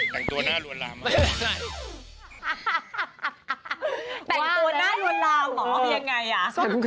แต่งตัวหน้าหลวนลามหรอมันเป็นอย่างไร